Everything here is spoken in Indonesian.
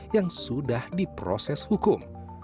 yang sudah di proses hukum